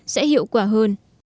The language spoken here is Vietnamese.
sẽ hiệu quả hơn